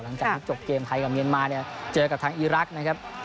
หลังจากที่จบเกมไทยกับเมียนมาเนี่ยเจอกับทางอีรักษ์นะครับ